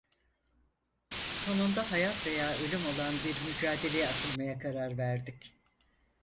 Sonunda hayat veya ölüm olan bir mücadeleye atılmaya karar verdik.